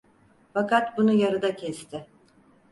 Fakat bunu yarıda kesti.